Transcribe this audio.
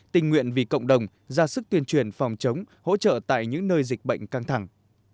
tình nguyện vì cộng đồng ra sức tuyên truyền phòng chống hỗ trợ tại những nơi dịch bệnh căng thẳng